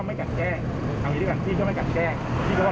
ขอบคุณครับต้องโทรไว้บ้างดีกว่าคือขอบคุณครับ